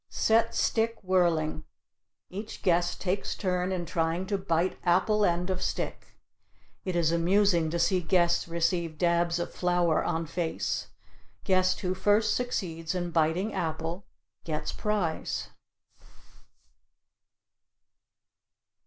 Set stick whirling. Each guest takes turn in trying to bite apple end of stick. It is amusing to see guests receive dabs of flour on face. Guest who first succeeds in biting apple gets prize.